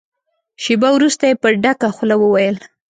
شېبه وروسته يې په ډکه خوله وويل.